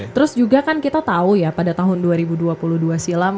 terus juga kan kita tahu ya pada tahun dua ribu dua puluh dua silam